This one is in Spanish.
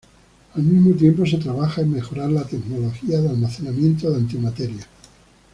Al mismo tiempo, se trabaja en mejorar la tecnología de almacenamiento de antimateria.